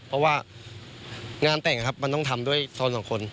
เพราะว่างานแต่งมันต้องทำด้วยโซนสองคน